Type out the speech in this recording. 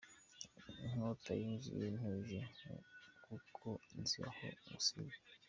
Inkota inyinjiye ntuje ; kuko nzi aho ngusize.